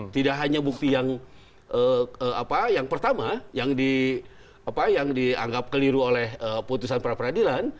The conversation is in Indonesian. tidak hanya bukti yang apa yang pertama yang dianggap keliru oleh putusan para peradilan